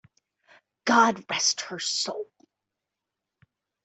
God rest her soul!